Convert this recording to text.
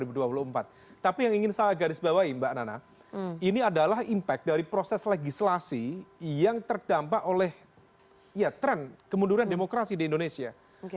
tapi yang ingin saya garis bawahi mbak nana ini adalah impact dari proses legislasi yang terdampak oleh tren kemunduran demokrasi di indonesia